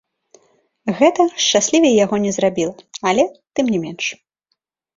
Гэта шчаслівей яго не зрабіла, але тым не менш.